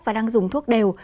và đang dùng thuốc đều